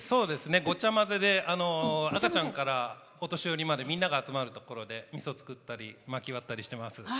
ごちゃ混ぜで赤ちゃんからお年寄りまでみんなが集まるところでみそを造ったりまきを割ったりしています。